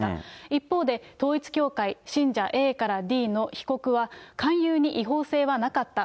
一方で、統一教会信者ＡからＤの被告は、勧誘に違法性はなかった。